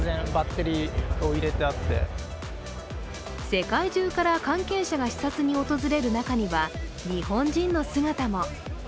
世界中から関係者が視察に訪れる中には日本人の姿も。